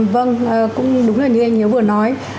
vâng cũng đúng là như anh nhớ vừa nói